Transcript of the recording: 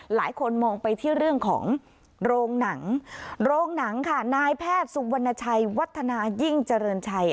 หลายคนมองไปที่เรื่องของโรงหนังโรงหนังค่ะนายแพทย์สุวรรณชัยวัฒนายิ่งเจริญชัย